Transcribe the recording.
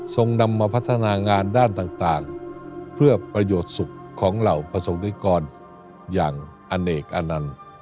นำมาพัฒนางานด้านต่างเพื่อประโยชน์สุขของเหล่าประสบนิกรอย่างอเนกอนันต์